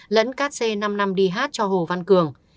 lẫn các xe năm năm đi hát cho hồ văn cường